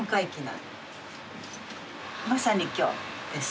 まさに今日です。